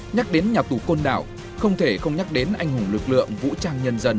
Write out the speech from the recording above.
nhắc đến nhà tù côn đảo không thể không nhắc đến anh hùng lực lượng vũ trang cao em không thể nuestro reng